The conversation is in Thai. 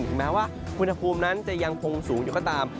แม้ว่าอุณหภูมินั้นจะยังคงสูงอยู่ก็ตาม